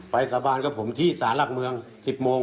สาบานกับผมที่สารหลักเมือง๑๐โมง